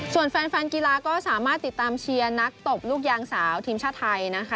ส่วนแฟนกีฬาก็สามารถติดตามเชียร์นักตบลูกยางสาวทีมชาติไทยนะคะ